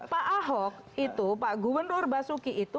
pak ahok itu pak gubernur basuki itu